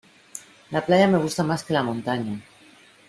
La playa me gusta más que la montaña.